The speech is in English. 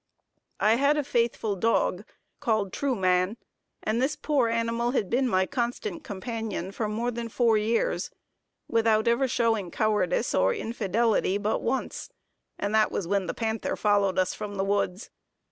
I had a faithful dog, called Trueman, and this poor animal had been my constant companion for more than four years, without ever showing cowardice or infidelity, but once, and that was when the panther followed us from the woods.